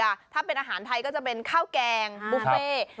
ถ้าเป็นอาหารไทยก็จะเป็นข้าวแกงบุฟเฟ่